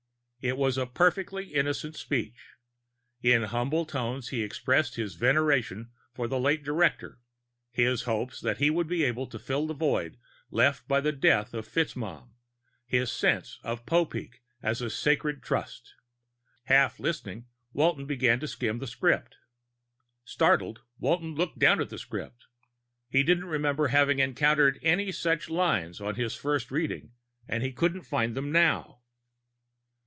It was a perfectly innocent speech. In humble tones he expressed his veneration for the late director, his hopes that he would be able to fill the void left by the death of FitzMaugham, his sense of Popeek as a sacred trust. Half listening, Walton began to skim the script. Startled, Walton looked down at the script. He didn't remember having encountered any such lines on his first reading, and he couldn't find them now.